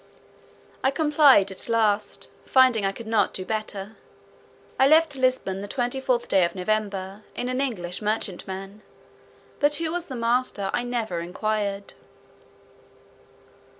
I complied at last, finding I could not do better. I left Lisbon the 24th day of November, in an English merchantman, but who was the master I never inquired.